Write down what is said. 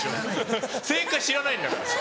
正解知らないんだから。